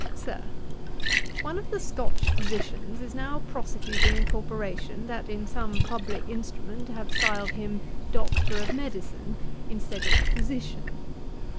'SIR, 'One of the Scotch physicians is now prosecuting a corporation that in some publick instrument have stiled him Doctor of Medicine instead of Physician.